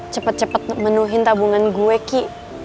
cepet cepet menuhin tabungan gue ki